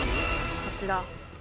こちら。